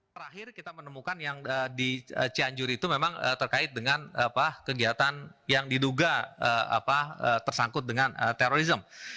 terakhir kita menemukan yang di cianjur itu memang terkait dengan kegiatan yang diduga tersangkut dengan terorisme